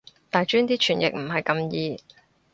大專啲傳譯唔係咁易